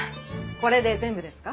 これで全部ですか？